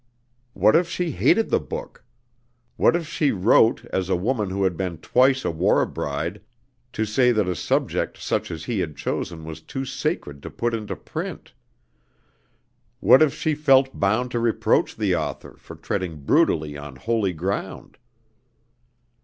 What if she hated the book? What if she wrote, as a woman who had been twice a war bride, to say that a subject such as he had chosen was too sacred to put into print? What if she felt bound to reproach the author for treading brutally on holy ground?